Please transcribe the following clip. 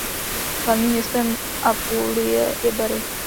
Hlavním městem Apulie je Bari.